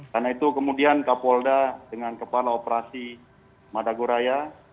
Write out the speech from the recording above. karena itu kemudian kapolda dengan kepala operasi madaguraya